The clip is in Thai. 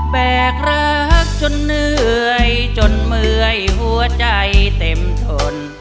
แบกรักจนเหนื่อยจนเมื่อยหัวใจเต็มทน